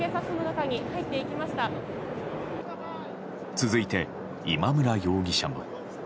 続いて今村容疑者も。